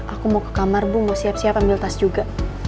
aku mau ke kamar bu mau siap siap ambil tas juga